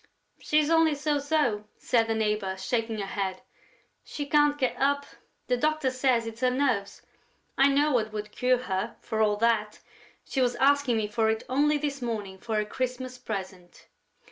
"She's only so so," said the neighbor, shaking her head. "She can't get up.... The doctor says it's her nerves.... I know what would cure her, for all that. She was asking me for it only this morning, for her Christmas present...."